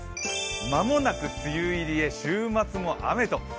間もなく梅雨入りへ週末も雨。